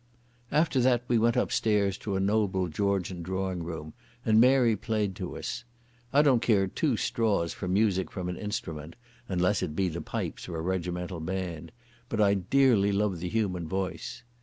After that we went upstairs to a noble Georgian drawing room and Mary played to us. I don't care two straws for music from an instrument—unless it be the pipes or a regimental band—but I dearly love the human voice.